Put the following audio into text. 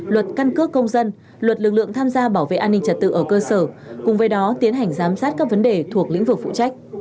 luật căn cước công dân luật lực lượng tham gia bảo vệ an ninh trật tự ở cơ sở cùng với đó tiến hành giám sát các vấn đề thuộc lĩnh vực phụ trách